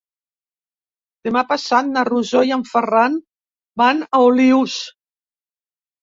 Demà passat na Rosó i en Ferran van a Olius.